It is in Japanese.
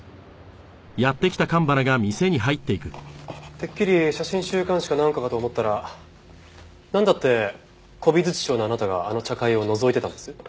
てっきり写真週刊誌か何かかと思ったらなんだって古美術商のあなたがあの茶会をのぞいてたんです？